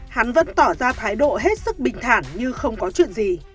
hắn vẫn tỏ ra thái độ hết sức bình thản như không có chuyện gì